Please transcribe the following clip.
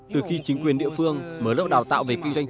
từ khi chính quyền địa phương mở lộ đào tạo